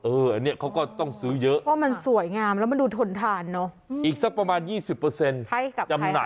เอออันนี้เขาก็ต้องซื้อเยอะ